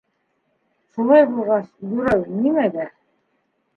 Шулай булғас, юрау нимәгә?